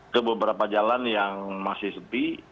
ke beberapa jalan yang masih sepi